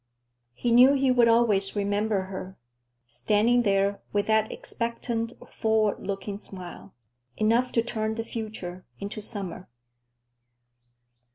He knew he would always remember her, standing there with that expectant, forward looking smile, enough to turn the future into summer.